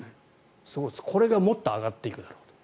すごいです、これがもっと上がっていくだろうと。